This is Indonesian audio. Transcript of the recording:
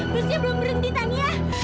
busnya belum berhenti tania